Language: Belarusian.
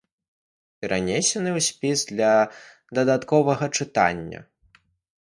Перанесеныя ў спіс для дадатковага чытання.